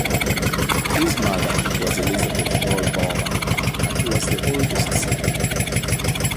His mother was Elizabeth Rolle Balmer, and he was the oldest son.